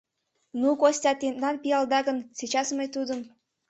— Ну, Костя тендан пиалда гын, сейчас мый тудым...